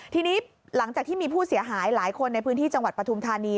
ทีนี้หลังจากที่มีผู้เสียหายหลายคนในพื้นที่จังหวัดปฐุมธานี